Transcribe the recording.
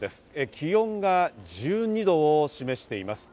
気温が１２度を示しています。